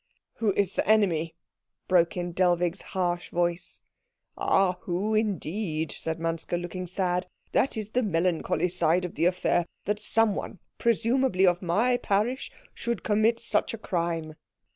"Who is the enemy?" broke in Dellwig's harsh voice. "Ah, who indeed?" said Manske, looking sad. "That is the melancholy side of the affair that someone, presumably of my parish, should commit such a crime."